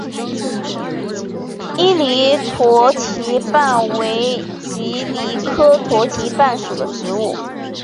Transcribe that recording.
伊犁驼蹄瓣为蒺藜科驼蹄瓣属的植物。